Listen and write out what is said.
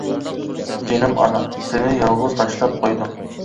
جىنىم ئانا، سېنى يالغۇز تاشلاپ قۇيدۇم.